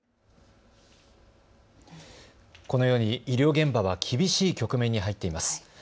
このように医療現場は厳しい局面に入っています。